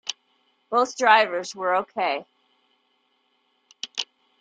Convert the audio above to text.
Both drivers were okay.